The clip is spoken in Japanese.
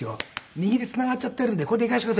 「右でつながっちゃっているんでこれでいかせてください」。